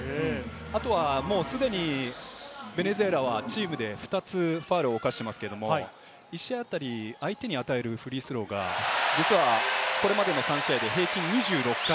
あとはもう既にベネズエラはチームで２つファウルをおかしてますけれど、１試合あたり、相手に与えるフリースローがこれまでの３試合で平均２６回。